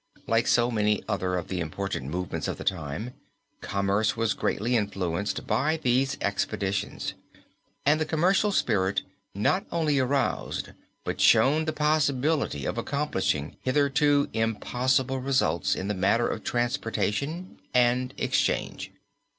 Like so many other of the important movements of the time commerce was greatly influenced by these expeditions, and the commercial spirit not only aroused but shown the possibility of accomplishing hitherto impossible results in the matter of transportation and exchange.